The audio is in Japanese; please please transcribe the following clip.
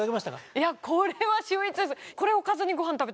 いやこれは秀逸です。